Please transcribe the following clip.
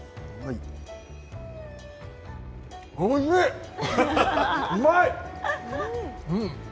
おいしい、うまい。